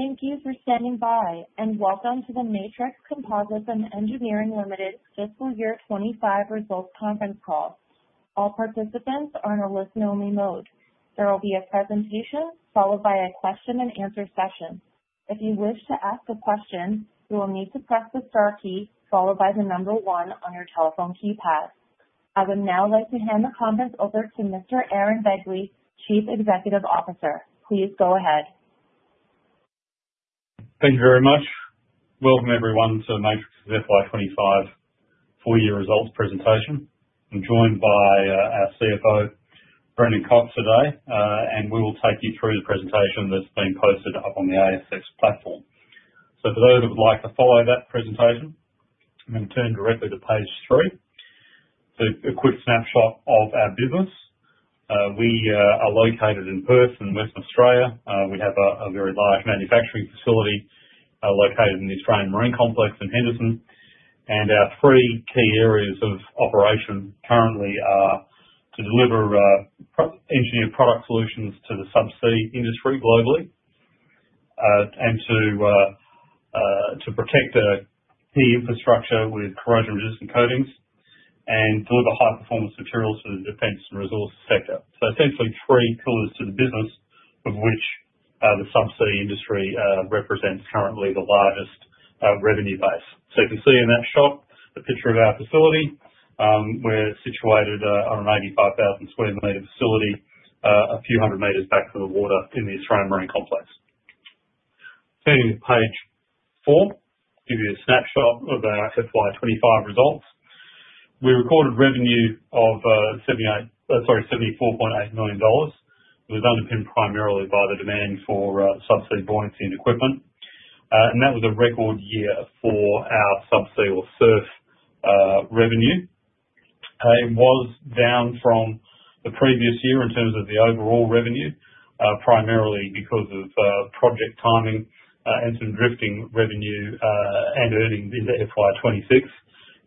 Thank you for standing by. Welcome to the Matrix Composites & Engineering Limited Fiscal Year 2025 Results Conference Call. All participants are in a listen-only mode. There will be a presentation followed by a question and answer session. If you wish to ask a question, you will need to press the star key followed by the number one on your telephone keypad. I would now like to hand the conference over to Mr. Aaron Begley, Chief Executive Officer. Please go ahead. Thank you very much. Welcome, everyone, to Matrix's FY 2025 full-year results presentation. I'm joined by our CFO, Brendan Cocks, today, and we will take you through the presentation that's been posted up on the ASX platform. For those that would like to follow that presentation, you can turn directly to page three for a quick snapshot of our business. We are located in Perth in Western Australia. We have a very large manufacturing facility located in the Australian Marine Complex in Henderson, and our three key areas of operation currently are to deliver engineered product solutions to the subsea industry globally, and to protect key infrastructure with corrosion-resistant coatings, and deliver high-performance materials to the defense and resources sector. Essentially three pillars to the business of which the subsea industry represents currently the largest revenue base. You can see in that shot a picture of our facility, where it's situated on an 85,000 sq m facility, a few hundred meters back from the water in the Australian Marine Complex. Turning to page four, give you a snapshot of our FY 2025 results. We recorded revenue of seventy-eight Sorry, 74.8 million dollars. It was underpinned primarily by the demand for subsea buoyancy and equipment. That was a record year for our subsea or SURF revenue. It was down from the previous year in terms of the overall revenue, primarily because of project timing, and some drifting revenue, and earnings into FY 2026,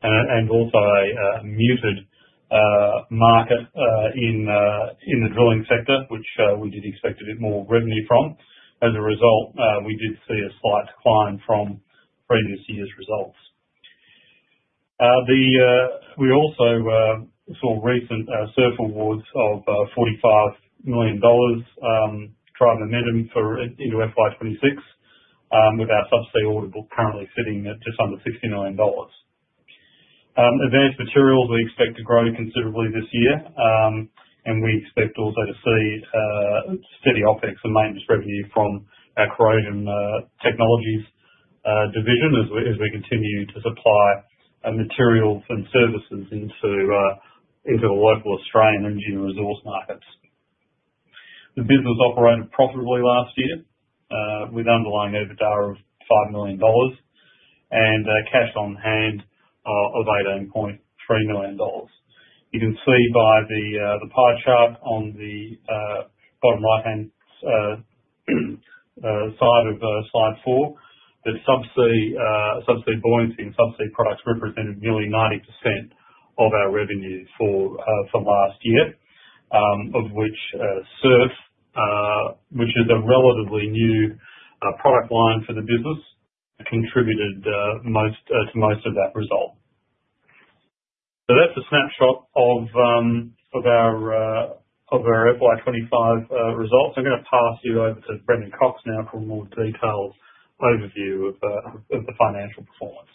and also a muted market in the drilling sector, which we did expect a bit more revenue from. As a result, we did see a slight decline from previous year's results. We also saw recent SURF awards of 45 million dollars drive momentum into FY 2026, with our subsea order book currently sitting at just under 60 million dollars. Advanced Materials we expect to grow considerably this year, and we expect also to see steady OpEx and maintenance revenue from our Corrosion Technologies division as we continue to supply materials and services into the local Australian engineering resource markets. The business operated profitably last year, with underlying EBITDA of 5 million dollars and cash on hand of 18.3 million dollars. You can see by the pie chart on the bottom right-hand side of slide four that subsea buoyancy and subsea products represented nearly 90% of our revenue for last year. Of which SURF, which is a relatively new product line for the business, contributed to most of that result. That's a snapshot of our FY 2025 results. I'm gonna pass you over to Brendan Cocks now for a more detailed overview of the financial performance.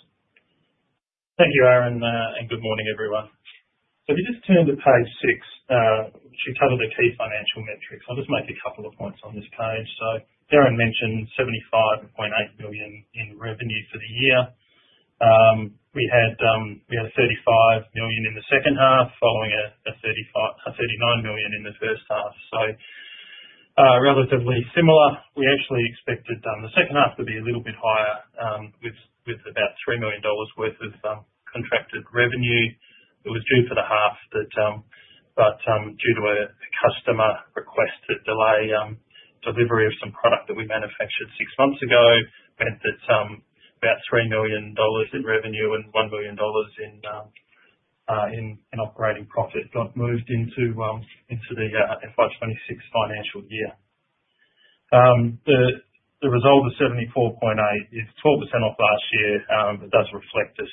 Thank you, Aaron, and good morning, everyone. If you just turn to page six, which you total the key financial metrics. I'll just make a couple of points on this page. Aaron mentioned 75.8 million in revenue for the year. We had 35 million in the second half, following 39 million in the first half. Relatively similar. We actually expected the second half to be a little bit higher, with about 3 million dollars worth of contracted revenue that was due for the half. Due to a customer request to delay delivery of some product that we manufactured six months ago, meant that about 3 million dollars in revenue and 1 million dollars in operating profit got moved into the FY 2026 financial year. The result of 74.8 is 12% off last year, does reflect a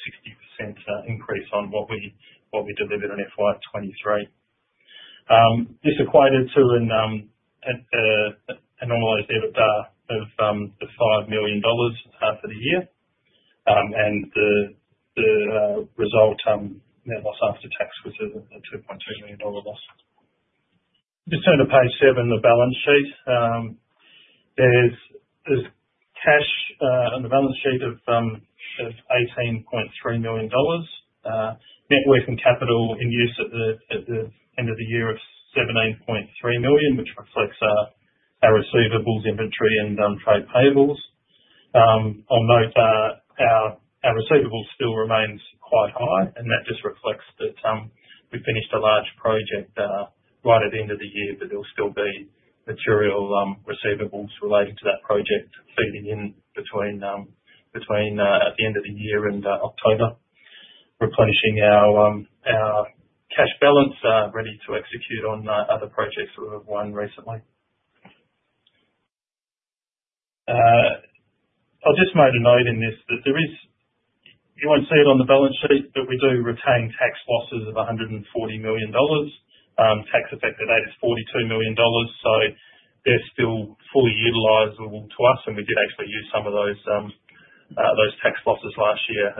60% increase on what we delivered in FY 2023. This equated to a normalized EBITDA of 5 million dollars for the year. The result net loss after tax, which is a AUD 2.2 million loss. Just turn to page seven, the balance sheet. There's cash on the balance sheet of 18.3 million dollars. Net working capital in use at the end of the year of 17.3 million, which reflects our receivables inventory and trade payables. I'll note our receivables still remains quite high, and that just reflects that we finished a large project right at the end of the year, but there'll still be material receivables related to that project feeding in between at the end of the year and October. Replenishing our cash balance ready to execute on other projects that we've won recently. I just made a note in this that you won't see it on the balance sheet, but we do retain tax losses of 140 million dollars. Tax effect of that is 42 million dollars. They're still fully utilizable to us, and we did actually use some of those tax losses last year.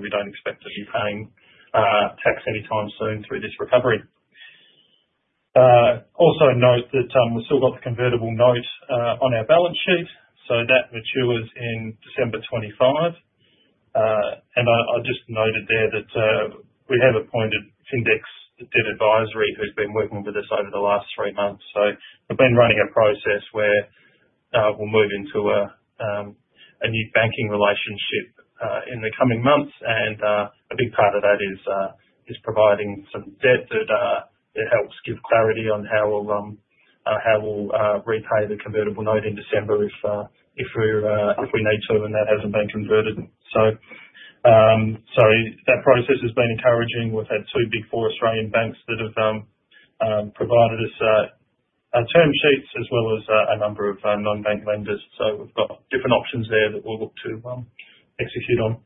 We don't expect to be paying tax anytime soon through this recovery. Also note that we've still got the convertible note on our balance sheet, so that matures in December 2025. I just noted there that we have appointed Index Debt Advisory, who's been working with us over the last three months. We've been running a process where we'll move into a new banking relationship in the coming months. A big part of that is providing some debt that helps give clarity on how we'll repay the convertible note in December if we need to, and that hasn't been converted. That process has been encouraging. We've had two big four Australian banks that have provided us term sheets as well as a number of non-bank lenders. We've got different options there that we'll look to execute on.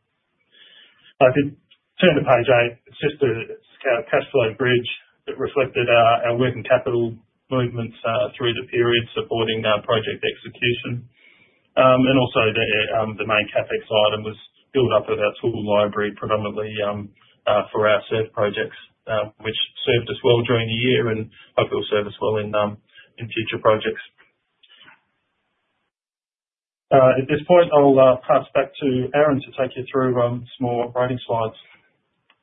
If you turn to page eight, it's just our cash flow bridge that reflected our working capital movements through the period supporting our project execution. Also there, the main CapEx item was build up of our tool library, predominantly for our SURF projects, which served us well during the year and hopefully will serve us well in future projects. At this point, I'll pass back to Aaron to take you through some more operating slides.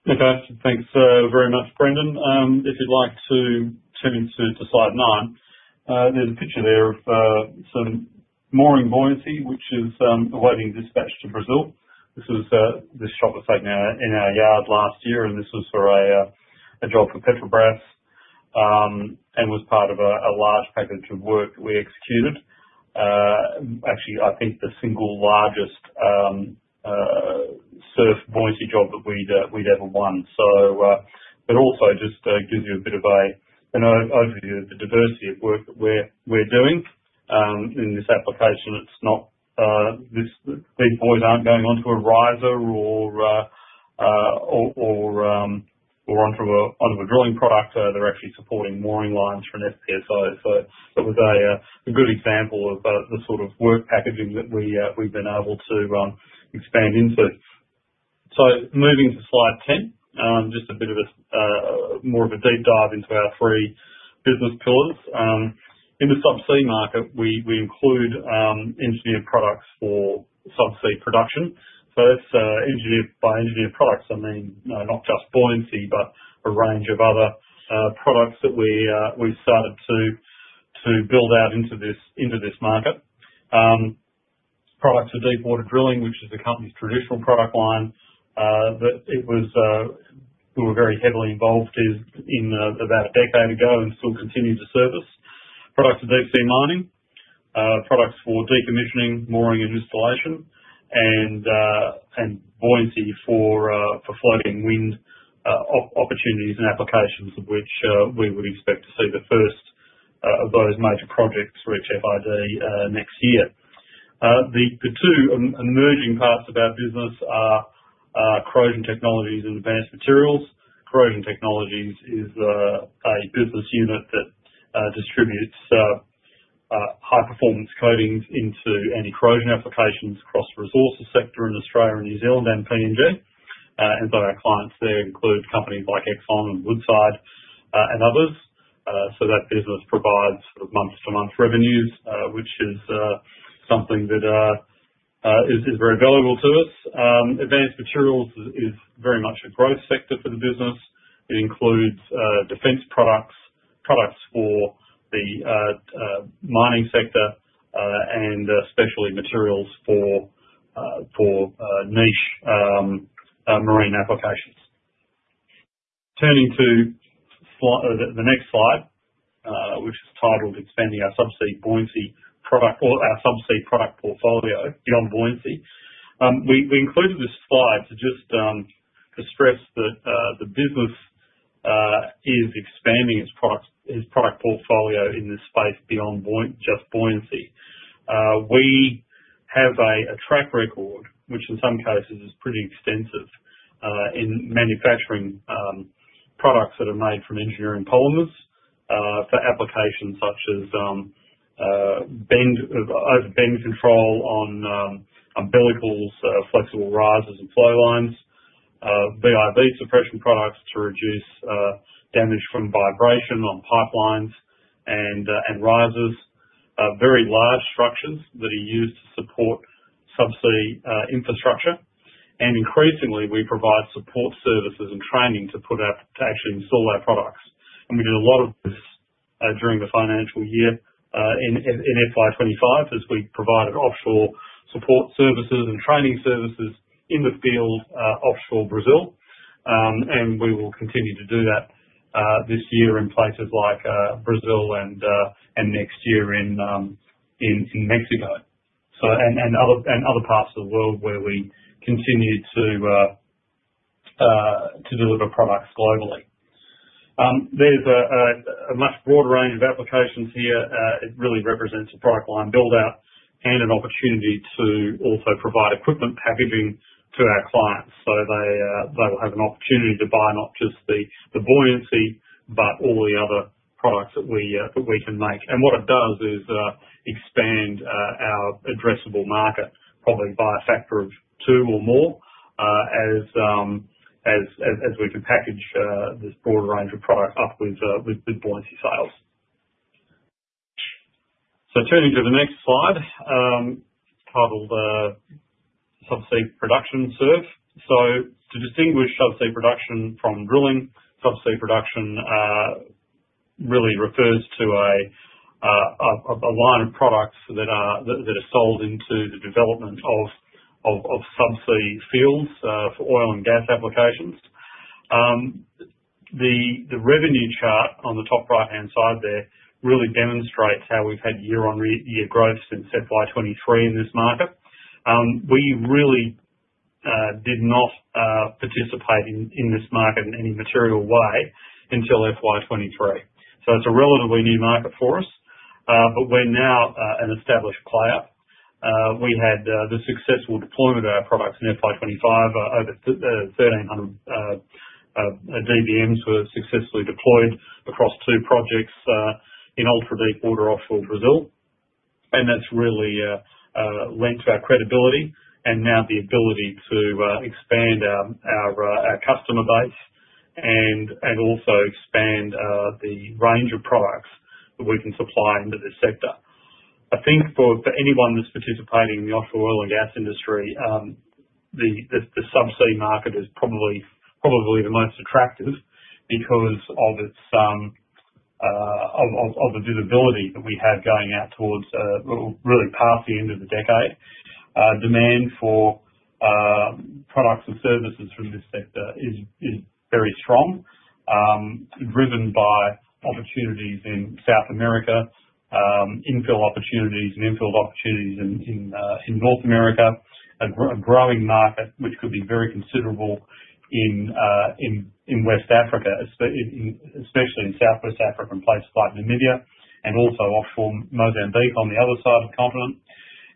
Okay. Thanks very much, Brendan. If you'd like to turn into slide nine. There's a picture there of some mooring buoyancy, which is awaiting dispatch to Brazil. This shot was taken in our yard last year, and this was for a job for Petrobras, and was part of a large package of work we executed. Actually, I think the single largest SURF buoyancy job that we'd ever won. Also just gives you a bit of an overview of the diversity of work that we're doing in this application. These buoys aren't going onto a riser or onto a drilling product. They're actually supporting mooring lines for an FPSO. It was a good example of the sort of work packaging that we've been able to expand into. Moving to slide 10, just a bit of more of a deep dive into our three business pillars. In the subsea market, we include engineered products for subsea production. That's, by engineered products, I mean, not just buoyancy, but a range of other products that we've started to build out into this market. Products for deep water drilling, which is the company's traditional product line, that we were very heavily involved is in about a decade ago and still continue to service. Products for deep sea mining, products for decommissioning, mooring, and installation, and buoyancy for floating wind opportunities and applications, of which we would expect to see the first of those major projects reach FID next year. The two emerging parts of our business are Corrosion Technologies and Advanced Materials. Corrosion Technologies is a business unit that distributes high-performance coatings into anti-corrosion applications across the resources sector in Australia and New Zealand and PNG. Our clients there include companies like Exxon and Woodside, and others. That business provides month-to-month revenues, which is something that is very valuable to us. Advanced Materials is very much a growth sector for the business. It includes defense products for the mining sector, and specialty materials for niche marine applications. Turning to the next slide, which is titled "Expanding our subsea product portfolio beyond buoyancy." We included this slide to just to stress that the business is expanding its product portfolio in this space beyond just buoyancy. We have a track record, which in some cases is pretty extensive, in manufacturing products that are made from engineering polymers for applications such as over-bend control on umbilicals, flexible risers, and flow lines, VIV suppression products to reduce damage from vibration on pipelines and risers, very large structures that are used to support subsea infrastructure. Increasingly, we provide support services and training to actually install our products. We did a lot of this during the financial year in FY 2025, as we provided offshore support services and training services in the field offshore Brazil. We will continue to do that this year in places like Brazil and next year in Mexico. Other parts of the world where we continue to deliver products globally. There's a much broader range of applications here. It really represents a product line build-out and an opportunity to also provide equipment packaging to our clients. They will have an opportunity to buy not just the buoyancy, but all the other products that we can make. What it does is, expand our addressable market probably by a factor of two or more, as we can package this broader range of products up with buoyancy sales. Turning to the next slide, titled Subsea Production SURF. To distinguish subsea production from drilling, subsea production really refers to a line of products that are sold into the development of subsea fields for oil and gas applications. The revenue chart on the top right-hand side there really demonstrates how we've had year-on-year growth since FY 2023 in this market. We really did not participate in this market in any material way until FY 2023. It's a relatively new market for us. We're now an established player. We had the successful deployment of our products in FY 2025. Over 1,300 DBMs were successfully deployed across two projects in ultra-deepwater offshore Brazil, and that's really lent to our credibility and now the ability to expand our customer base and also expand the range of products that we can supply into this sector. I think for anyone that's participating in the offshore oil and gas industry, the subsea market is probably the most attractive because of its of the visibility that we have going out towards, really past the end of the decade. Demand for products and services from this sector is very strong, driven by opportunities in South America, infill opportunities and in-field opportunities in North America. A growing market which could be very considerable in West Africa, especially in southwest Africa in places like Namibia and also offshore Mozambique on the other side of the continent,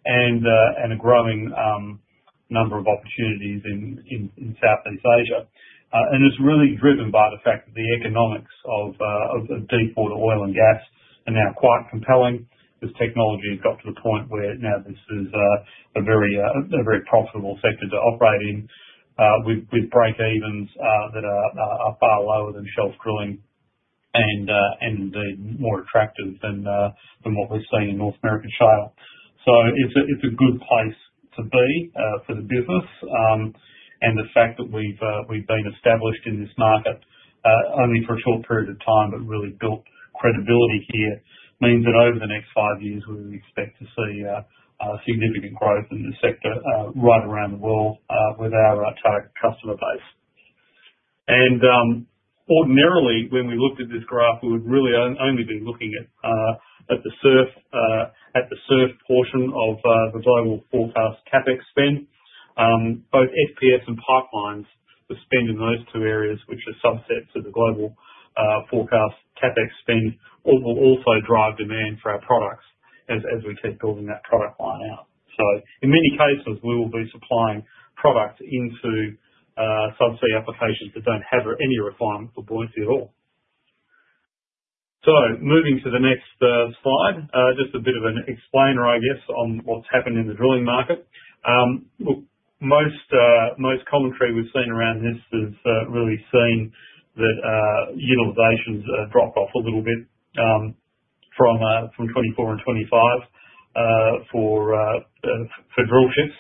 and a growing number of opportunities in Southeast Asia. It's really driven by the fact that the economics of deepwater oil and gas are now quite compelling, as technology has got to the point where now this is a very profitable sector to operate in, with break evens that are far lower than shelf drilling and more attractive than what we've seen in North American shale. It's a good place to be for the business. The fact that we've been established in this market, only for a short period of time, but really built credibility here, means that over the next five years, we would expect to see significant growth in the sector right around the world with our target customer base. Ordinarily, when we looked at this graph, we would really only been looking at the SURF portion of the global forecast CapEx spend. Both FPS and pipelines, the spend in those two areas, which are subsets of the global forecast CapEx spend, will also drive demand for our products as we keep building that product line out. In many cases, we will be supplying product into subsea applications that don't have any requirement for buoyancy at all. Moving to the next slide. Just a bit of an explainer, I guess, on what's happened in the drilling market. Look, most commentary we've seen around this has really seen that utilization's dropped off a little bit, from 2024 and 2025, for drill ships.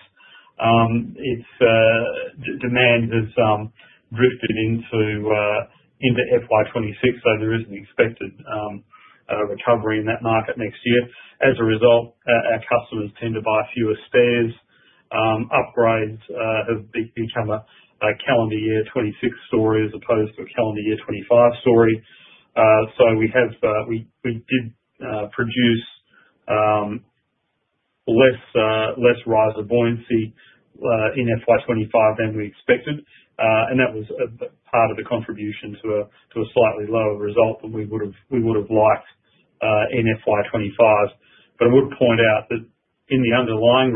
Demand has drifted into FY 2026, so there is an expected recovery in that market next year. As a result, our customers tend to buy fewer spares. Upgrades have become a calendar year 2026 story as opposed to a calendar year 2025 story. We did produce less riser buoyancy in FY 2025 than we expected. That was part of the contribution to a slightly lower result than we would have liked, in FY 2025. I would point out that in the underlying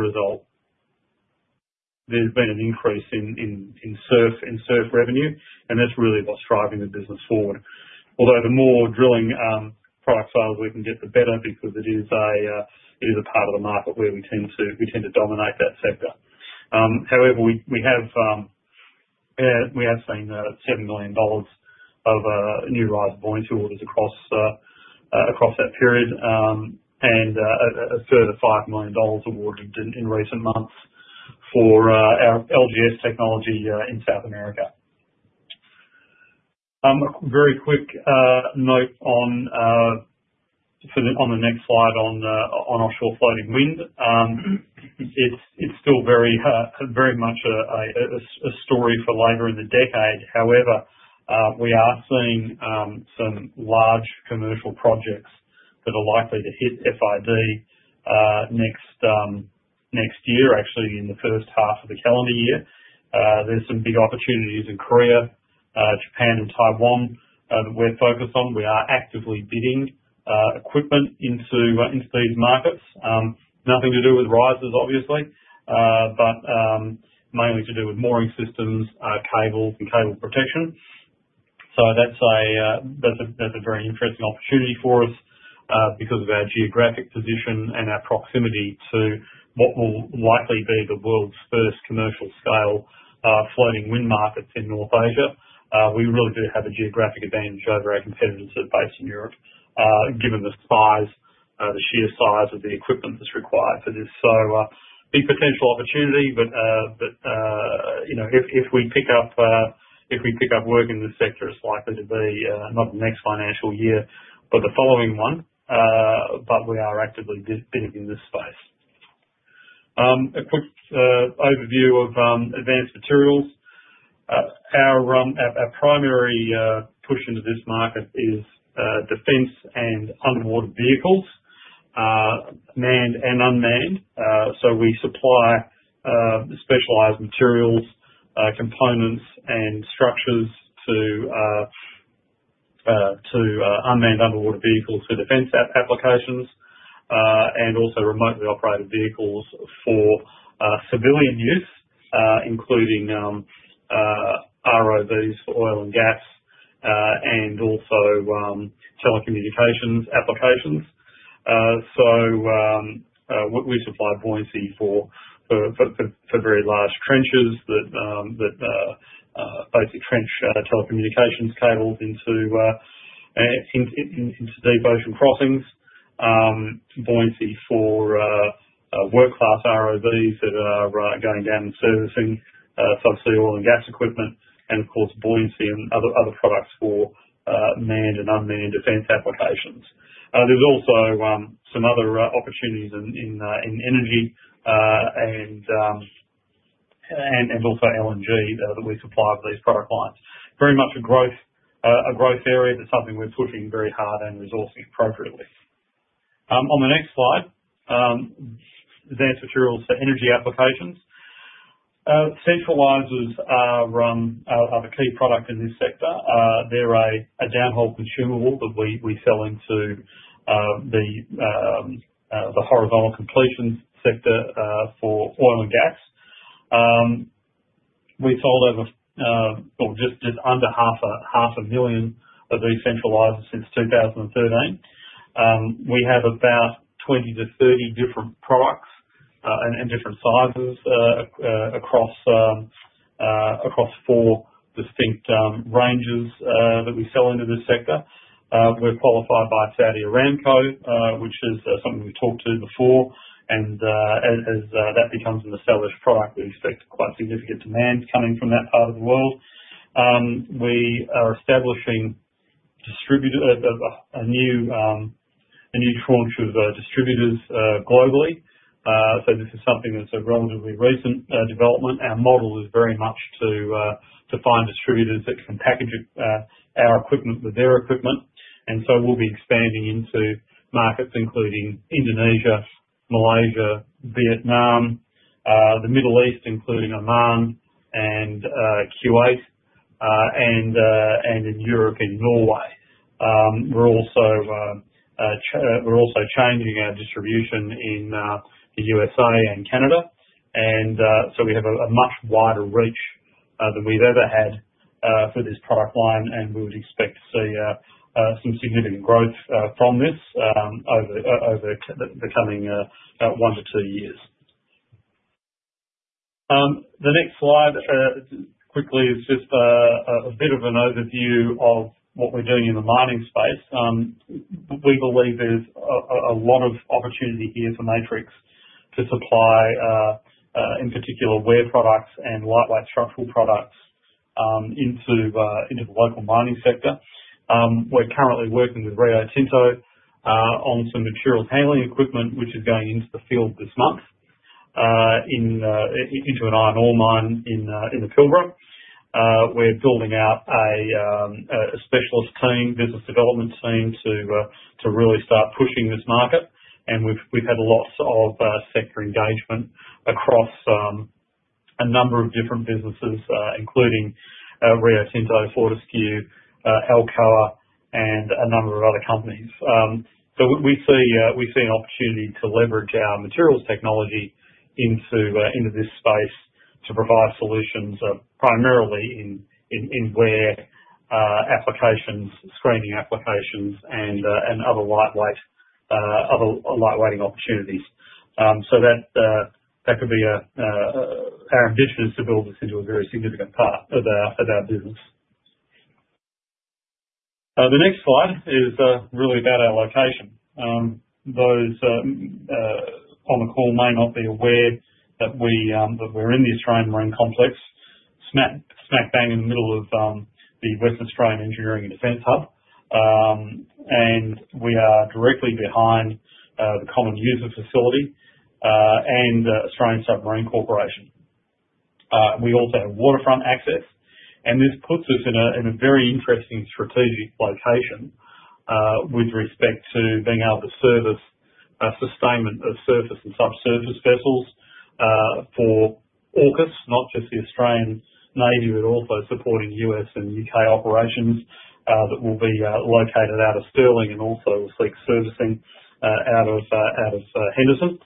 result, there's been an increase in SURF revenue, and that's really what's driving the business forward. Although the more drilling product sales we can get, the better, because it is a part of the market where we tend to dominate that sector. However, we have seen 7 million dollars of new riser buoyancy orders across that period, and a further 5 million dollars awarded in recent months for our LGS technology in South America. Very quick note on the next slide on offshore floating wind. It's still very much a story for later in the decade. We are seeing some large commercial projects that are likely to hit FID next year, actually in the first half of the calendar year. There's some big opportunities in Korea, Japan, and Taiwan that we're focused on. We are actively bidding equipment into these markets. Nothing to do with risers, obviously, but mainly to do with mooring systems, cables and cable protection. That's a very interesting opportunity for us because of our geographic position and our proximity to what will likely be the world's first commercial-scale floating wind markets in North Asia. We really do have a geographic advantage over our competitors that are based in Europe, given the sheer size of the equipment that's required for this. Big potential opportunity. If we pick up work in this sector, it's likely to be not in the next financial year, but the following one. We are actively bidding in this space. A quick overview of Advanced Materials. Our primary push into this market is defense and underwater vehicles, manned and unmanned. We supply specialized materials, components, and structures to unmanned underwater vehicles for defense applications, and also remotely operated vehicles for civilian use, including ROVs for oil and gas, and also telecommunications applications. We supply buoyancy for very large trenches that basically trench telecommunications cables into deep ocean crossings. Buoyancy for work-class ROVs that are going down and servicing subsea oil and gas equipment, and of course, buoyancy and other products for manned and unmanned defense applications. There's also some other opportunities in energy and also LNG that we supply for these product lines. Very much a growth area. That's something we're pushing very hard and resourcing appropriately. On the next slide, Advanced Materials for energy applications. Centralizers are a key product in this sector. They're a downhole consumable that we sell into the horizontal completion sector for oil and gas. We sold just under half a million of these centralizers since 2013. We have about 20-30 different products and different sizes across four distinct ranges that we sell into this sector. We're qualified by Saudi Aramco, which is something we've talked to before. As that becomes an established product, we expect quite significant demands coming from that part of the world. We are establishing a new tranche of distributors globally. This is something that's a relatively recent development. Our model is very much to find distributors that can package our equipment with their equipment. We'll be expanding into markets including Indonesia, Malaysia, Vietnam, the Middle East, including Oman and Kuwait, and in Europe and Norway. We're also changing our distribution in the USA and Canada. We have a much wider reach than we've ever had for this product line, and we would expect to see some significant growth from this over the coming one to two years. The next slide, quickly, is just a bit of an overview of what we're doing in the mining space. We believe there's a lot of opportunity here for Matrix to supply, in particular, wear products and lightweight structural products into the local mining sector. We're currently working with Rio Tinto on some materials handling equipment, which is going into the field this month into an iron ore mine in the Pilbara. We're building out a specialist team, business development team, to really start pushing this market, and we've had lots of sector engagement across a number of different businesses, including Rio Tinto, Fortescue, Alcoa, and a number of other companies. We see an opportunity to leverage our materials technology into this space to provide solutions primarily in wear applications, screening applications, and other light weighting opportunities. Our ambition is to build this into a very significant part of our business. The next slide is really about our location. Those on the call may not be aware that we're in the Australian Marine Complex, smack bang in the middle of the West Australian Engineering and Defence Hub. We are directly behind the Common User Facility and Australian Submarine Corporation. We also have waterfront access, and this puts us in a very interesting strategic location with respect to being able to service a sustainment of surface and sub-surface vessels for AUKUS, not just the Australian Navy, but also supporting U.S. and U.K. operations that will be located out of Stirling and also seek servicing out of Henderson.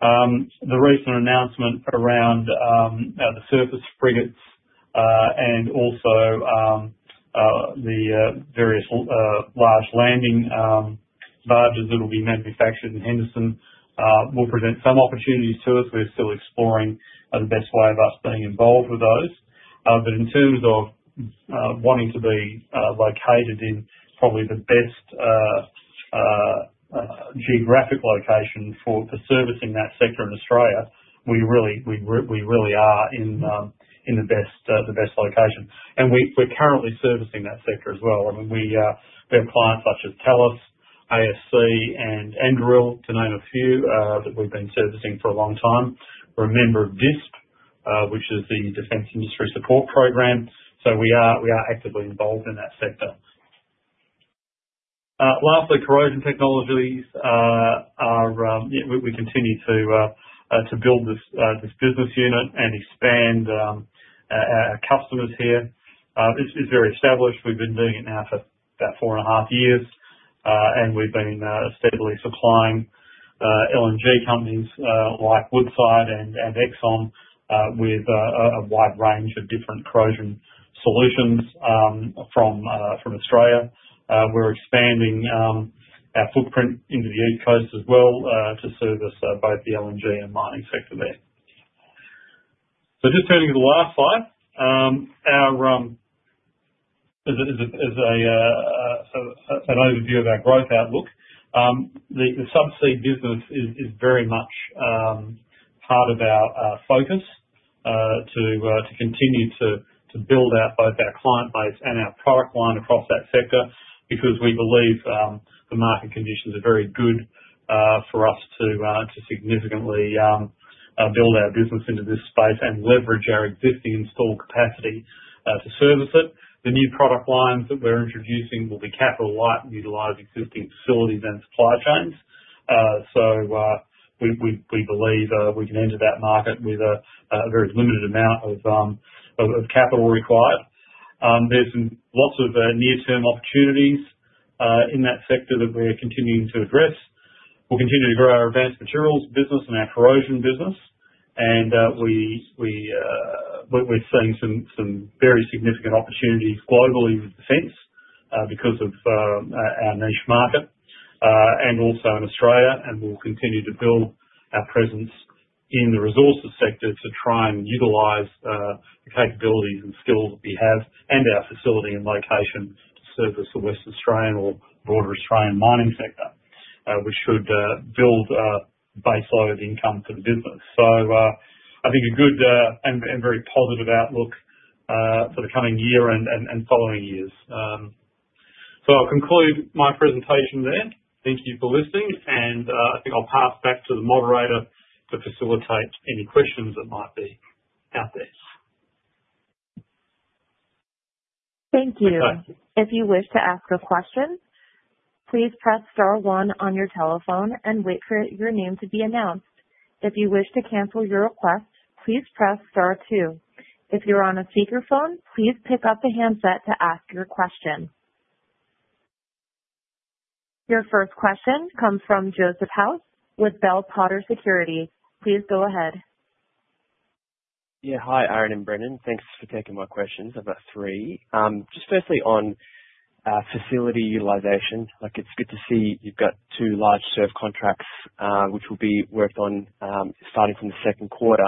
The recent announcement around the surface frigates and also the various large landing barges that will be manufactured in Henderson will present some opportunities to us. We are still exploring the best way of us being involved with those. In terms of wanting to be located in probably the best geographic location for servicing that sector in Australia, we really are in the best location. We are currently servicing that sector as well. I mean, we have clients such as Thales, ASC, and Anduril, to name a few, that we've been servicing for a long time. We're a member of DISP, which is the Defence Industry Security Program. We are actively involved in that sector. Lastly, Corrosion Technologies. We continue to build this business unit and expand our customers here. It's very established. We've been doing it now for about four and a half years. We've been steadily supplying LNG companies like Woodside and Exxon with a wide range of different corrosion solutions from Australia. We're expanding our footprint into the East Coast as well to service both the LNG and mining sector there. Just turning to the last slide, as an overview of our growth outlook. The subsea business is very much part of our focus to continue to build out both our client base and our product line across that sector because we believe the market conditions are very good for us to significantly build our business into this space and leverage our existing installed capacity to service it. The new product lines that we're introducing will be capital light and utilize existing facilities and supply chains. We believe we can enter that market with a very limited amount of capital required. There's lots of near-term opportunities in that sector that we're continuing to address. We'll continue to grow our Advanced Materials business and our Corrosion business. We're seeing some very significant opportunities globally with defense because of our niche market and also in Australia. We'll continue to build our presence in the resources sector to try and utilize the capabilities and skills that we have and our facility and location to service the West Australian or broader Australian mining sector, which should build a baseline of income for the business. I think a good and very positive outlook for the coming year and following years. I'll conclude my presentation there. Thank you for listening, and I think I'll pass back to the moderator to facilitate any questions that might be out there. Thank you. Okay. If you wish to ask a question, please press star one on your telephone and wait for your name to be announced. If you wish to cancel your request, please press star two. If you're on a speakerphone, please pick up the handset to ask your question. Your first question comes from Joseph House with Bell Potter Securities. Please go ahead. Hi, Aaron and Brendan. Thanks for taking my questions. I've got three. Firstly on facility utilization. It's good to see you've got two large SURF contracts, which will be worked on starting from the second quarter.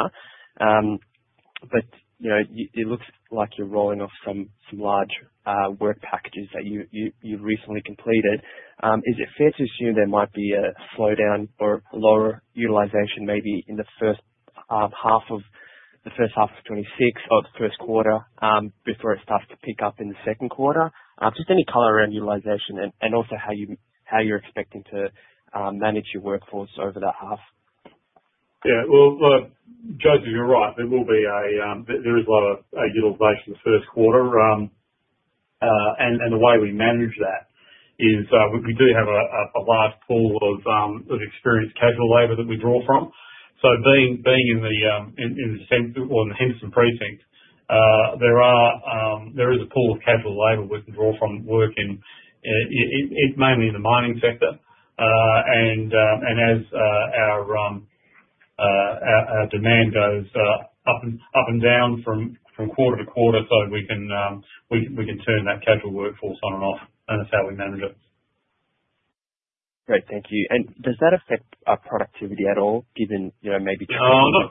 It looks like you're rolling off some large work packages that you've recently completed. Is it fair to assume there might be a slowdown or lower utilization maybe in the first half of 2026 or the first quarter before it starts to pick up in the second quarter? Any color around utilization and also how you're expecting to manage your workforce over that half. Well, look, Joseph, you're right. There is lower utilization in the first quarter. The way we manage that is, we do have a large pool of experienced casual labor that we draw from. Being in the Henderson precinct, there is a pool of casual labor we can draw from working mainly in the mining sector. As our demand goes up and down from quarter to quarter, so we can turn that casual workforce on and off, and that's how we manage it. Great. Thank you. Does that affect productivity at all? No,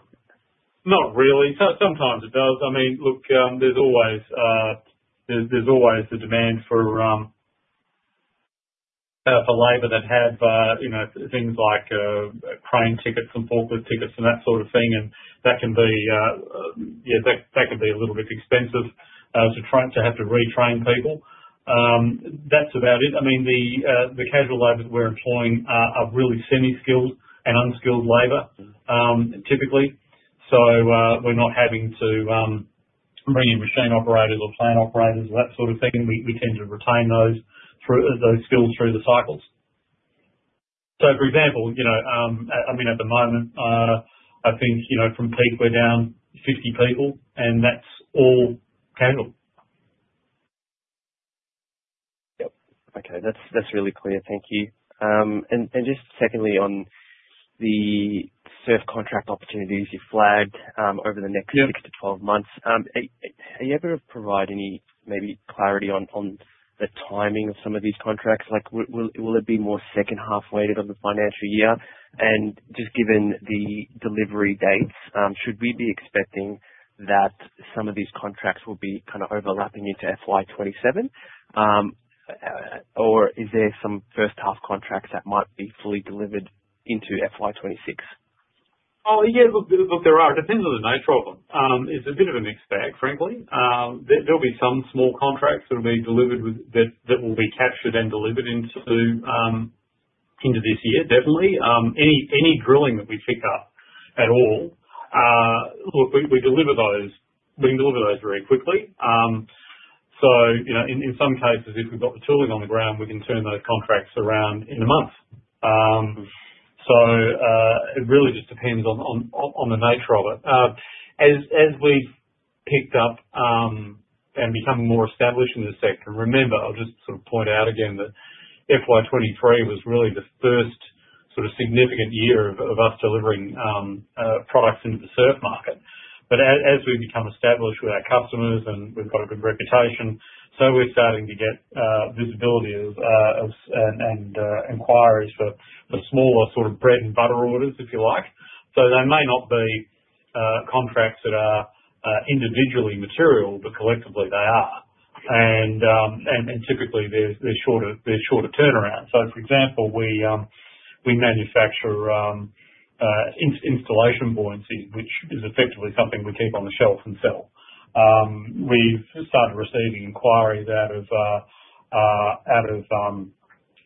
not really. Sometimes it does. I mean, look, there's always a demand for labor that have things like crane tickets and forklift tickets and that sort of thing. That can be a little bit expensive to have to retrain people. That's about it. I mean, the casual labor that we're employing are really semi-skilled and unskilled labor, typically. We're not having to bring machine operators or plant operators or that sort of thing, we tend to retain those skills through the cycles. For example, at the moment, I think from peak we're down 50 people, and that's all handled. Yep. Okay. That's really clear. Thank you. Just secondly, on the SURF contract opportunities you flagged over the next- Yeah six to 12 months. Are you able to provide any maybe clarity on the timing of some of these contracts? Will it be more second half weighted of the financial year? Just given the delivery dates, should we be expecting that some of these contracts will be kind of overlapping into FY 2027? Is there some first half contracts that might be fully delivered into FY 2026? Oh, yeah. Look, there are. Depends on the nature of them. It's a bit of a mixed bag, frankly. There'll be some small contracts that will be captured and delivered into this year, definitely. Any drilling that we pick up at all, look, we can deliver those very quickly. In some cases, if we've got the tooling on the ground, we can turn those contracts around in one month. It really just depends on the nature of it. As we've picked up and become more established in the sector, remember, I'll just sort of point out again that FY 2023 was really the first sort of significant year of us delivering products into the SURF market. As we become established with our customers and we've got a good reputation, so we're starting to get visibility and inquiries for smaller sort of bread-and-butter orders, if you like. They may not be contracts that are individually material, but collectively they are. Typically, they're shorter turnaround. For example, we manufacture installation buoys, which is effectively something we keep on the shelf and sell. We've started receiving inquiries out of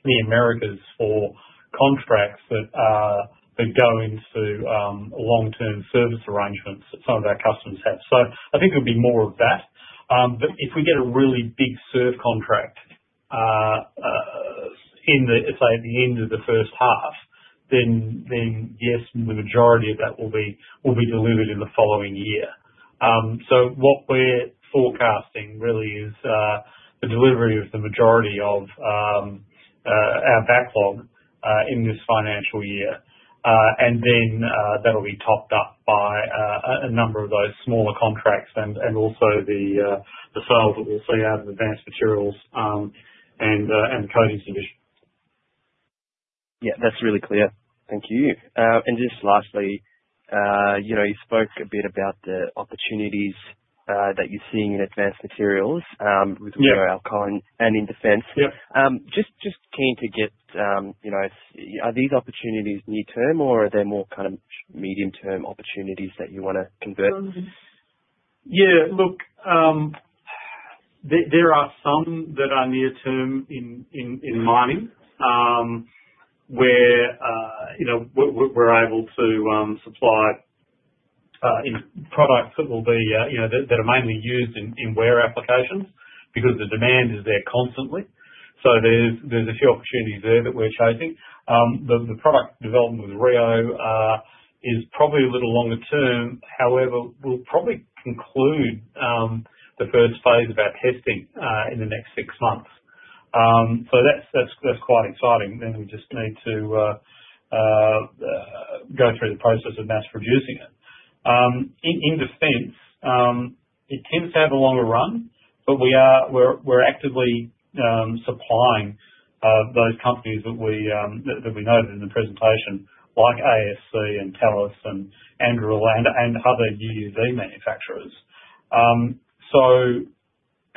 the Americas for contracts that go into long-term service arrangements that some of our customers have. I think it'll be more of that. If we get a really big SURF contract, say, at the end of the first half, yes, the majority of that will be delivered in the following year. What we're forecasting really is the delivery of the majority of our backlog in this financial year. That'll be topped up by a number of those smaller contracts and also the sales that we'll see out of Advanced Materials and Corrosion Technologies division. Yeah, that's really clear. Thank you. Just lastly, you spoke a bit about the opportunities that you're seeing in Advanced Materials. Yeah with Rio Tinto and in defense. Yeah. Just keen to get, are these opportunities near-term, or are they more medium-term opportunities that you want to convert? Yeah. Look, there are some that are near term in mining, where we're able to supply products that are mainly used in wear applications because the demand is there constantly. There's a few opportunities there that we're chasing. The product development with Rio is probably a little longer term. However, we'll probably conclude the first phase of our testing in the next six months. That's quite exciting. We just need to go through the process of mass producing it. In Defence, it tends to have a longer run, but we're actively supplying those companies that we noted in the presentation, like ASC and Thales and Anduril and other UUV manufacturers.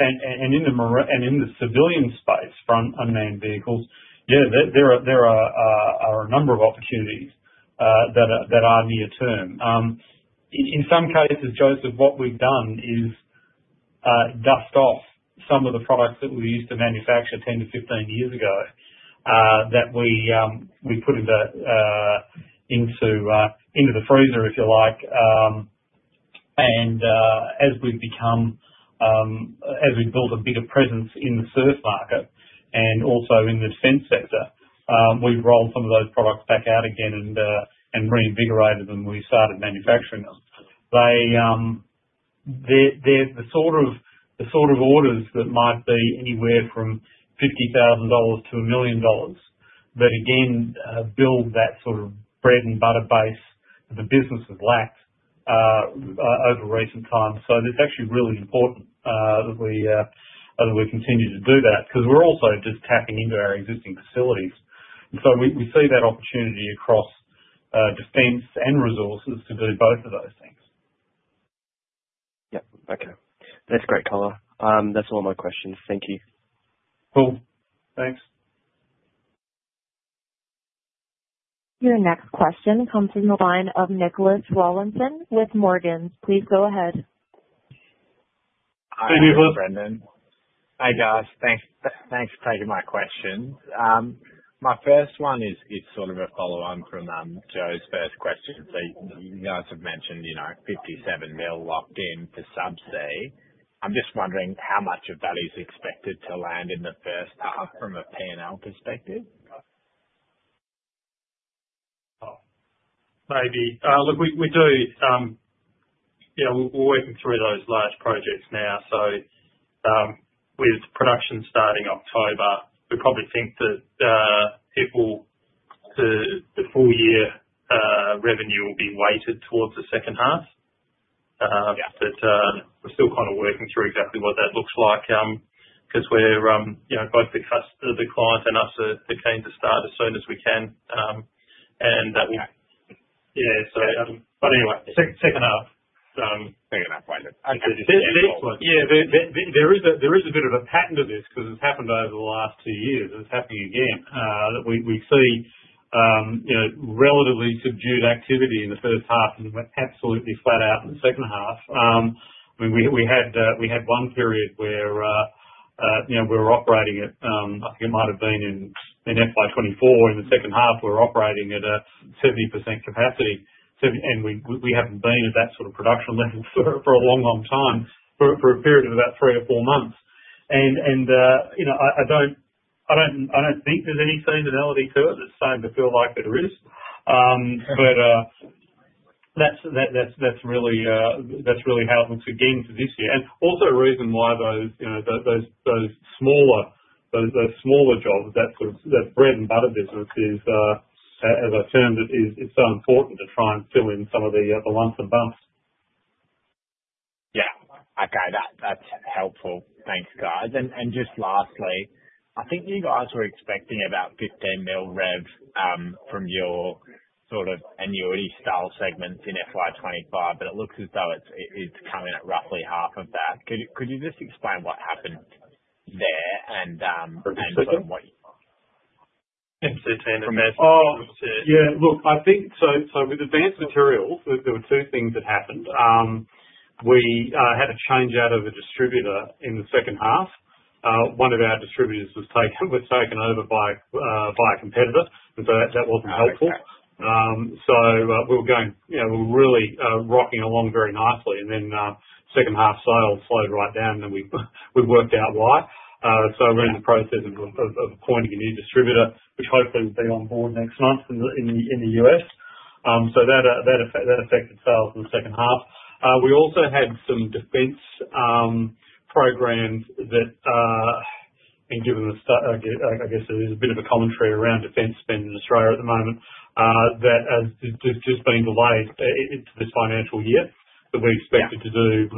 In the civilian space for unmanned vehicles, yeah, there are a number of opportunities that are near term. In some cases, Joseph, what we've done is dust off some of the products that we used to manufacture 10 to 15 years ago, that we put into the freezer, if you like. As we've built a bigger presence in the SURF market and also in the Defence sector, we've rolled some of those products back out again and reinvigorated them. We started manufacturing them. They're the sort of orders that might be anywhere from 50,000 dollars to 1 million dollars. That again, build that sort of bread-and-butter base the business has lacked over recent times. It's actually really important that we continue to do that because we're also just tapping into our existing facilities. We see that opportunity across Defence and resources to do both of those things. Yep. Okay. That's great, color. That's all my questions. Thank you. Cool. Thanks. Your next question comes from the line of Nicholas Wall with Morgans. Please go ahead. Good evening. Brendan Hi guys. Thanks for taking my questions. My first one is sort of a follow-on from Joe's first question. You guys have mentioned, 57 million locked in for Subsea. I'm just wondering how much of that is expected to land in the first half from a P&L perspective? Maybe. Look, we're working through those large projects now. With production starting October, we probably think that the full year revenue will be weighted towards the second half. Yeah. We're still kind of working through exactly what that looks like, because both the client and us are keen to start as soon as we can. Yeah. Yeah. Anyway, second half. Second half. Excellent. Yeah, there is a bit of a pattern to this because it's happened over the last 2 years, and it's happening again. We see relatively subdued activity in the first half, then went absolutely flat out in the second half. We had one period where we were operating at, I think it might've been in FY 2024, in the second half, we were operating at a 70% capacity. We haven't been at that sort of production level for a long, long time, for a period of about three or four months. I don't think there's any seasonality to it. That's really happened again for this year. Also a reason why those smaller jobs, that bread-and-butter business, as I termed it, is so important to try and fill in some of the lumps and bumps. Yeah. Okay, that's helpful. Thanks, guys. Just lastly, I think you guys were expecting about 15 mil rev from your sort of annuity style segments in FY 2025, but it looks as though it's coming at roughly half of that. Could you just explain what happened there? NCT and Advanced Materials. Yeah, look, I think with Advanced Materials, there were two things that happened. We had a change out of a distributor in the second half. One of our distributors was taken over by a competitor, and so that wasn't helpful. Okay. We were really rocking along very nicely and then second half sales slowed right down and then we've worked out why. We're in the process of appointing a new distributor, which hopefully will be on board next month in the U.S. That affected sales in the second half. We also had some Defence programs that, and given the state, I guess there's a bit of a commentary around Defence spend in Australia at the moment that has just been delayed into this financial year that we expected to do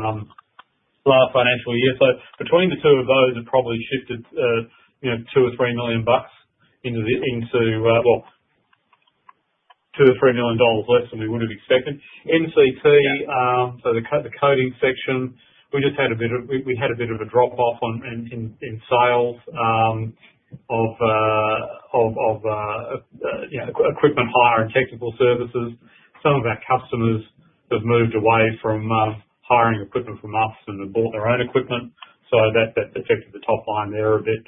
last financial year. Between the two of those, it probably shifted 2 million or 3 million bucks into Well, 2 million or 3 million dollars less than we would have expected. NCT- Yeah The coating section, we had a bit of a drop-off in sales of equipment hire and technical services. Some of our customers have moved away from hiring equipment from us and have bought their own equipment. That affected the top line there a bit.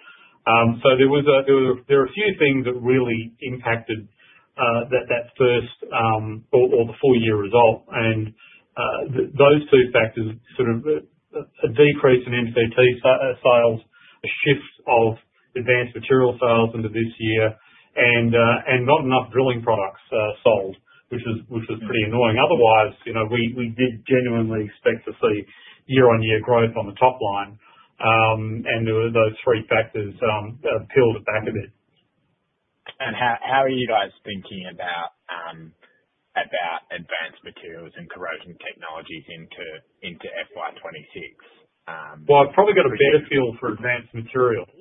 There are a few things that really impacted that first or the full-year result. Those two factors, sort of a decrease in NCT sales, a shift of Advanced Materials sales into this year and not enough drilling products sold, which was pretty annoying. Otherwise, we did genuinely expect to see year-on-year growth on the top line, and there were those three factors that peeled it back a bit. How are you guys thinking about Advanced Materials and Corrosion Technologies into FY 2026? Well, I've probably got a better feel for Advanced Materials.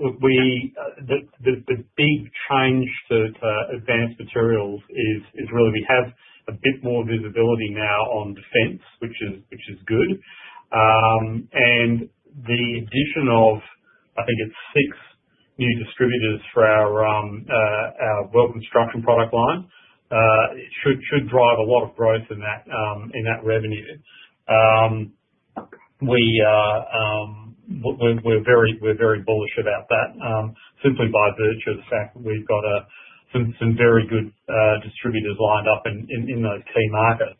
The big change to Advanced Materials is really we have a bit more visibility now on defense, which is good. The addition of, I think it's six new distributors for our well construction product line, it should drive a lot of growth in that revenue. We're very bullish about that, simply by virtue of the fact that we've got some very good distributors lined up in those key markets.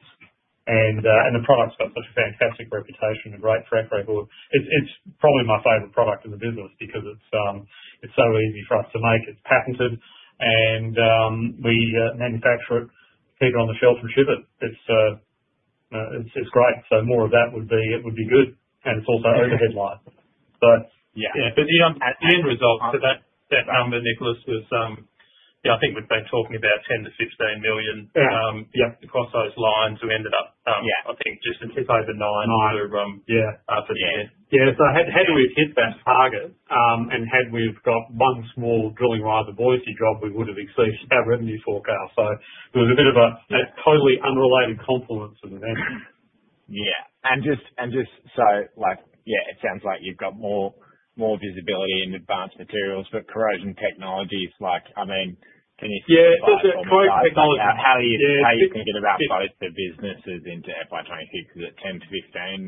The product's got such a fantastic reputation, a great track record. It's probably my favorite product in the business because it's so easy for us to make. It's patented, and we manufacture it, keep it on the shelf, and ship it. It's great. More of that would be good, and it's also overhead light. Yeah. The end result for that number, Nicholas, was, I think we've been talking about 10 million-16 million. Yeah across those lines. Yeah I think just a tick over nine. Nine. Yeah. Yeah. Yeah, had we hit that target, and had we have got one small drilling rig, the buoyancy job, we would have exceeded our revenue forecast. It was a bit of a totally unrelated confluence of events. Yeah. It sounds like you've got more visibility in Advanced Materials, but Corrosion Technologies, can you? Yeah provide some guidance on how you think it about both the businesses into FY 2026, is it 10 to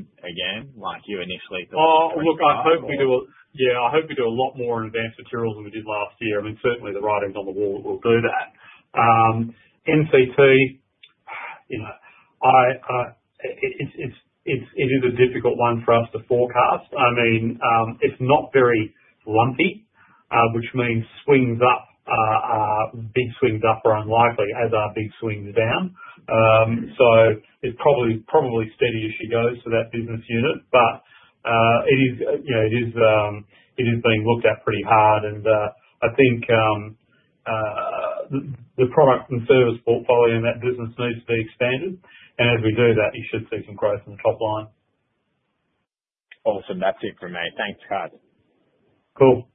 15 again, like you initially thought? Oh, look, I hope we do a lot more in Advanced Materials than we did last year. Certainly, the writing's on the wall that we'll do that. NCT it is a difficult one for us to forecast. It's not very lumpy, which means big swings up are unlikely, as are big swings down. It's probably steady as she goes for that business unit. It is being looked at pretty hard and I think the product and service portfolio in that business needs to be expanded, and as we do that, you should see some growth in the top line. Awesome. That's it from me. Thanks, Aaron. Cool.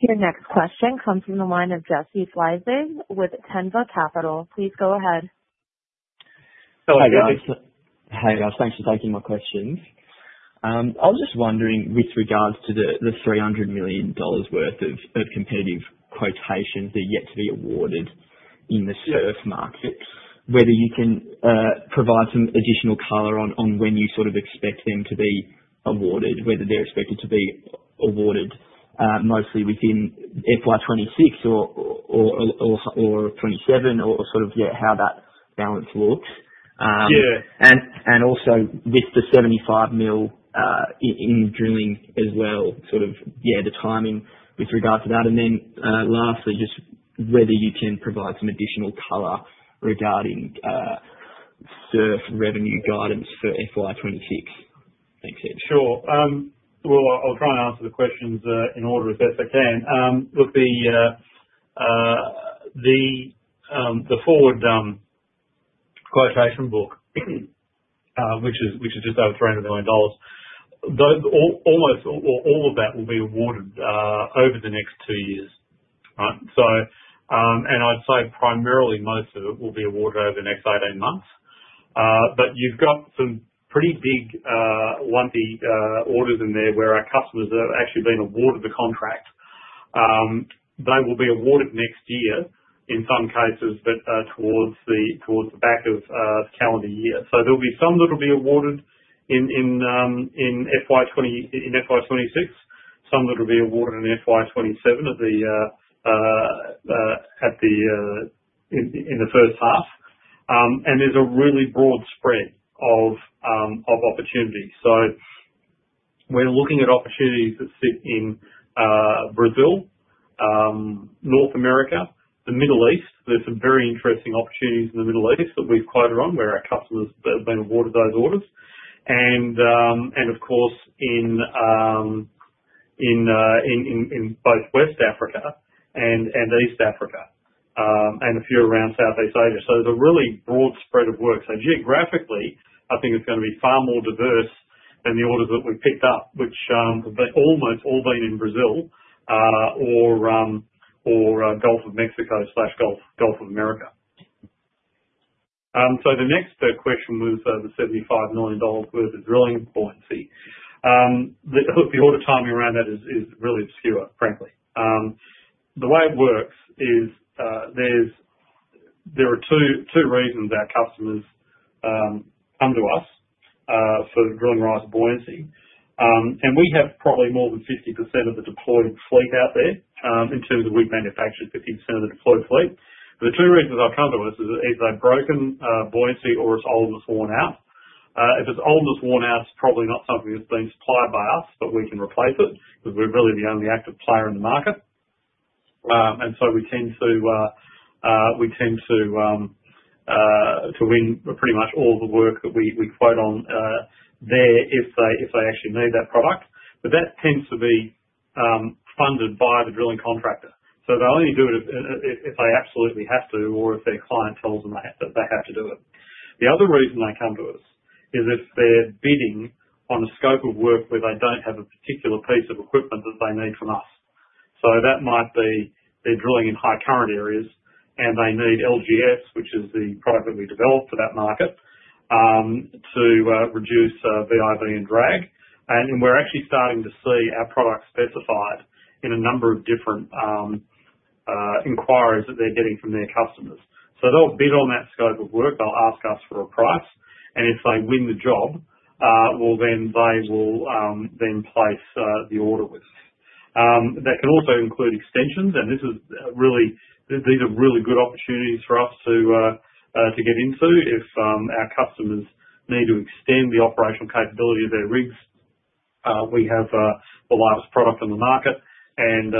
Your next question comes from the line of Jesse Fleissig with Tenba Capital. Please go ahead. Hello. Hey guys. Thanks for taking my questions. I was just wondering, with regards to the 300 million dollars worth of competitive quotations that are yet to be awarded in the SURF market, whether you can provide some additional color on when you expect them to be awarded. Whether they're expected to be awarded mostly within FY 2026 or FY 2027, or how that balance looks? Yeah. Also with the 75 million in drilling as well, the timing with regards to that. Lastly, just whether you can provide some additional color regarding SURF revenue guidance for FY 2026. Thanks. Sure. Well, I'll try and answer the questions in order as best I can. Look, the forward quotation book, which is just over 300 million dollars, almost all of that will be awarded over the next two years. Right? I'd say primarily most of it will be awarded over the next 18 months. You've got some pretty big lumpy orders in there where our customers have actually been awarded the contract. They will be awarded next year, in some cases, but towards the back of the calendar year. There'll be some that will be awarded in FY 2026, some that will be awarded in FY 2027 in the first half. There's a really broad spread of opportunities. We're looking at opportunities that sit in Brazil, North America, the Middle East. There's some very interesting opportunities in the Middle East that we've quoted on where our customers have been awarded those orders and of course, in both West Africa and East Africa, and a few around Southeast Asia. There's a really broad spread of work. Geographically, I think it's gonna be far more diverse than the orders that we've picked up, which have almost all been in Brazil or Gulf of Mexico/Gulf of America. The next question was the 75 million dollars worth of drilling buoyancy. Look, the order timing around that is really obscure, frankly. The way it works is, there are two reasons our customers come to us for drilling riser buoyancy. We have probably more than 50% of the deployed fleet out there, in terms of we've manufactured 50% of the deployed fleet. The two reasons they'll come to us is either broken buoyancy or it's old and it's worn out. If it's old and it's worn out, it's probably not something that's been supplied by us, but we can replace it because we're really the only active player in the market. We tend to win pretty much all of the work that we quote on there if they actually need that product. That tends to be funded by the drilling contractor. They'll only do it if they absolutely have to or if their client tells them they have to do it. The other reason they come to us is if they're bidding on a scope of work where they don't have a particular piece of equipment that they need from us. That might be they're drilling in high current areas and they need LGS, which is the product that we developed for that market, to reduce VIV and drag. We're actually starting to see our product specified in a number of different inquiries that they're getting from their customers. They'll bid on that scope of work. They'll ask us for a price, and if they win the job, well, then they will then place the order with us. That can also include extensions, and these are really good opportunities for us to get into if our customers need to extend the operational capability of their rigs. We have the lightest product on the market, and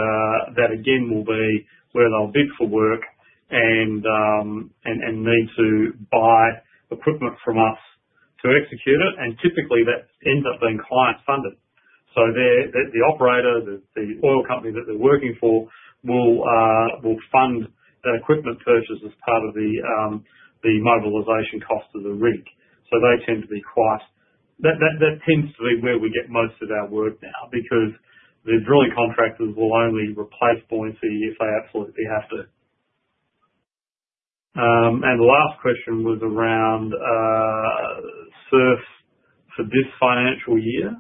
that again will be where they'll bid for work and need to buy equipment from us to execute it. Typically, that ends up being client-funded. The operator, the oil company that they're working for will fund that equipment purchase as part of the mobilization cost of the rig. That tends to be where we get most of our work now because the drilling contractors will only replace buoyancy if they absolutely have to. The last question was around SURF for this financial year.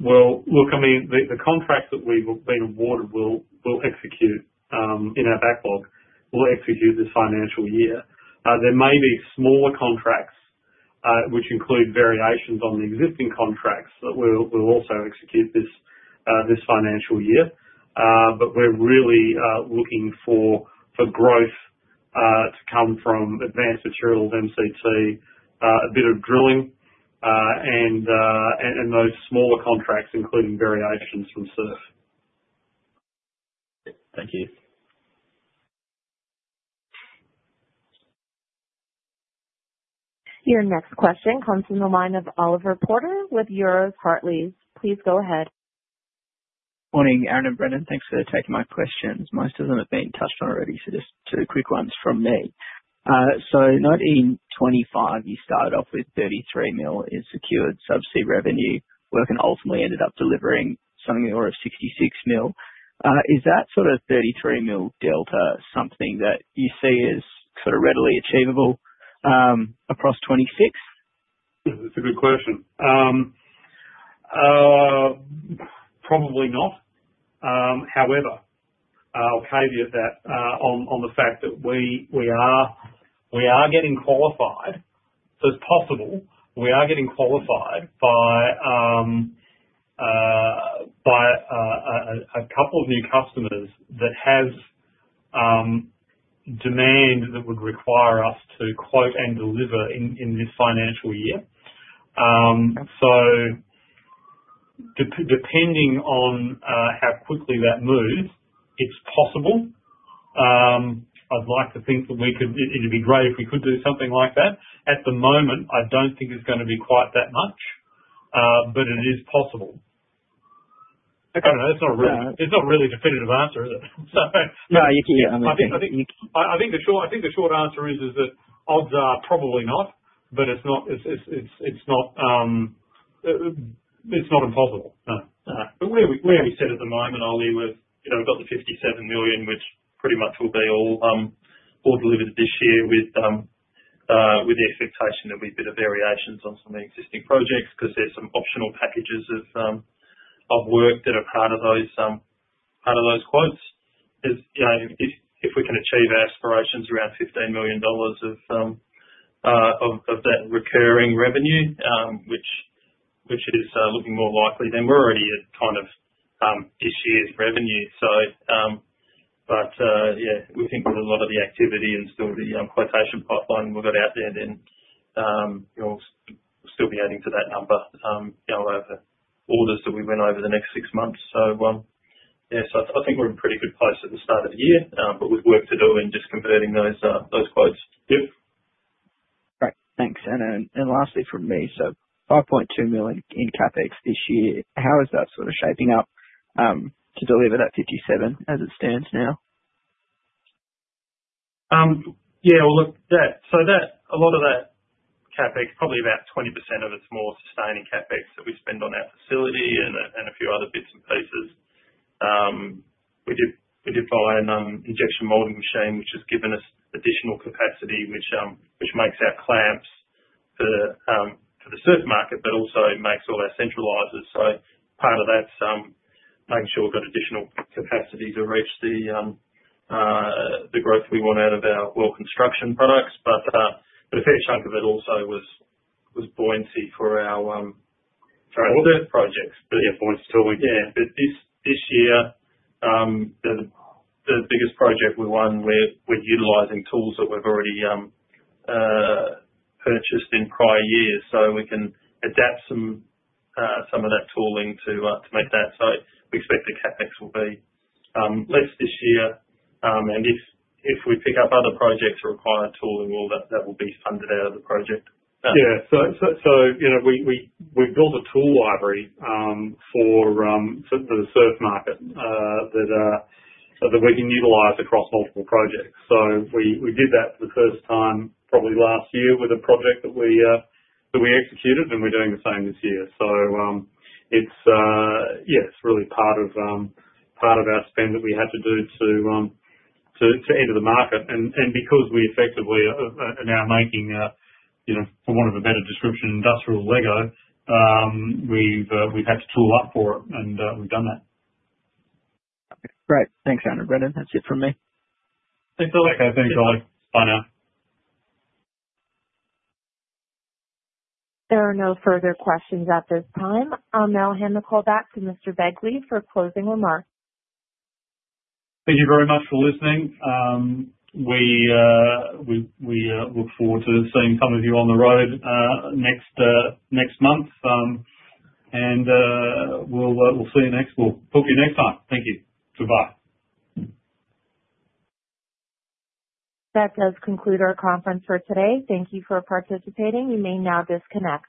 Well, look, the contract that we've been awarded will execute in our backlog. We'll execute this financial year. There may be smaller contracts, which include variations on the existing contracts that we'll also execute this financial year. We're really looking for growth to come from Advanced Materials, ACT, a bit of drilling, and those smaller contracts, including variations from SURF. Thank you. Your next question comes from the line of Oliver Porter with Euroz Hartleys. Please go ahead. Morning, Aaron and Brendan. Thanks for taking my questions. Most of them have been touched on already, just two quick ones from me. 2025, you started off with 33 million in secured subsea revenue work and ultimately ended up delivering something in the order of 66 million. Is that sort of 33 million delta something that you see as sort of readily achievable across 2026? That's a good question. Probably not. I'll caveat that on the fact that we are getting qualified, so it's possible. We are getting qualified by a couple of new customers that have demand that would require us to quote and deliver in this financial year. Okay. Depending on how quickly that moves, it's possible. I'd like to think that it'd be great if we could do something like that. At the moment, I don't think it's gonna be quite that much, but it is possible. Okay. I don't know. It's not really a definitive answer, is it? No, you can hear. I think the short answer is that odds are probably not, but it's not impossible. No. No. Where we sit at the moment, Oli, we've got the 57 million, which pretty much will be all delivered this year with the expectation there'll be a bit of variations on some of the existing projects because there's some optional packages of work that are part of those quotes. If we can achieve our aspirations around 15 million dollars of that recurring revenue, which is looking more likely, we're already at kind of this year's revenue. Yeah, we think that a lot of the activity and sort of the quotation pipeline we've got out there, we'll still be adding to that number over the orders that we win over the next six months. Yeah, I think we're in a pretty good place at the start of the year, but we've work to do in just converting those quotes. Yeah. Great. Thanks. Lastly from me. 5.2 million in CapEx this year, how is that sort of shaping up to deliver that 57 as it stands now? Yeah. Well, look, a lot of that CapEx, probably about 20% of it, is more sustaining CapEx that we spend on our facility and a few other bits and pieces. We did buy an injection molding machine, which has given us additional capacity, which makes our clamps for the SURF market, but also makes all our centralizers. Part of that's making sure we've got additional capacity to reach the growth we want out of our well construction products. A fair chunk of it also was buoyancy for our- Tooling. -projects. Yeah, buoyancy. Yeah. This year, the biggest project we won, we're utilizing tools that we've already purchased in prior years, so we can adapt some of that tooling to make that. We expect the CapEx will be less this year. If we pick up other projects that require tooling, well, that will be funded out of the project. Yeah. We've built a tool library for the SURF market that we can utilize across multiple projects. We did that for the first time probably last year with a project that we executed, and we're doing the same this year. It's really part of our spend that we had to do to enter the market. Because we effectively are now making, for want of a better description, industrial Lego, we've had to tool up for it, and we've done that. Great. Thanks, Aaron and Brendan. That's it from me. Thanks, Oli. Okay, thanks, Oli. Bye now. There are no further questions at this time. I will now hand the call back to Mr. Begley for closing remarks. Thank you very much for listening. We look forward to seeing some of you on the road next month. We'll talk to you next time. Thank you. Goodbye. That does conclude our conference for today. Thank you for participating. You may now disconnect.